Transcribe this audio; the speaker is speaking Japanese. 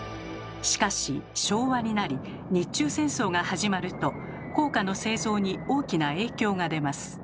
しかし昭和になり日中戦争が始まると硬貨の製造に大きな影響が出ます。